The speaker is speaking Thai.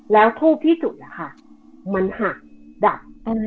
แล้วภูมิที่จุดล่ะค่ะมันหักดับ